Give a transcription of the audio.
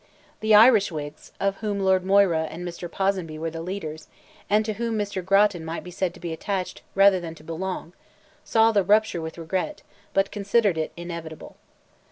The Irish Whigs, of whom Lord Moira and Mr. Ponsonby were the leaders, and to whom Mr. Grattan might be said to be attached rather than to belong, saw the rupture with regret, but considered it inevitable.